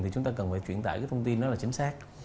thì chúng ta cần phải truyền đải thông tin đó là chính xác